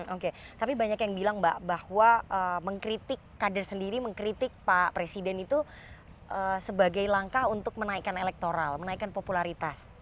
oke tapi banyak yang bilang mbak bahwa mengkritik kader sendiri mengkritik pak presiden itu sebagai langkah untuk menaikkan elektoral menaikkan popularitas